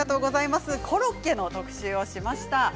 コロッケの特集をしました。